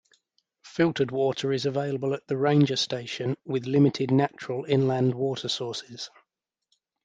Filtered water is available at the ranger station, with limited natural inland water sources.